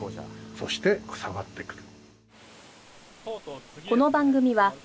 そして下がってくる。